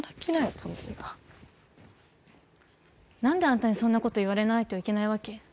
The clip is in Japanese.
たまには何であんたにそんなこと言われないといけないわけ？